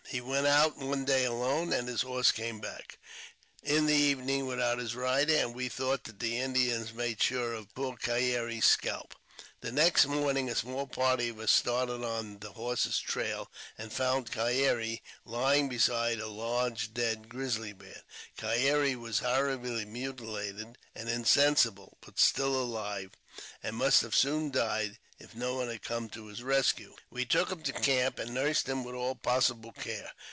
He went out one day alone, and the horse came back in the evening without his rider, and we thought that the Indians had made sure of poor Keyere's scalp. The next morning a party of us started on the horse's trail, and found Keyere lying beside a large dead grizzly bear. Key ere was horribly mutilated and insensible, but still aUve, and must have soon died if no one had come to his rescue. We took him to camp, and nursed him with all possible care.